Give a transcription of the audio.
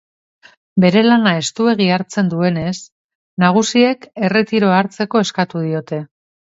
Bere lana estuegi hartzen duenez, nagusiek erretiroa hartzeko eskatuko diote.